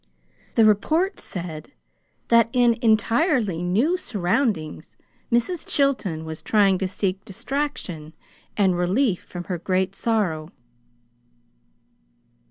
The report said that, in entirely new surroundings, Mrs. Chilton was trying to seek distraction and relief from her great sorrow.